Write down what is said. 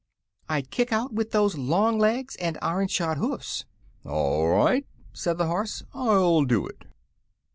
"I'd kick out with those long legs and iron shod hoofs." "All right," said the horse; "I'll do it."